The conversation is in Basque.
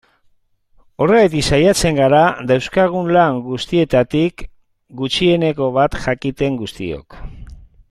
Horregatik saiatzen gara dauzkagun lan guztietatik gutxieneko bat jakiten guztiok.